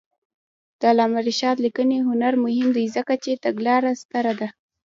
د علامه رشاد لیکنی هنر مهم دی ځکه چې تګلاره ستره ده.